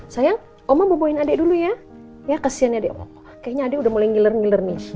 saya omah boboin adek dulu ya ya kesian ya kayaknya udah mulai ngilerni ngilerni